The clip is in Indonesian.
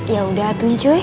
ya udah tunggu